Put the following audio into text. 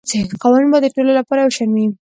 قوانین باید د ټولو لپاره یو شان وي